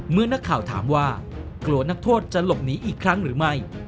เมื่อนักข่าวถามว่ากลัวนักโทษจะหลบหนีอีกครั้งหรือไม่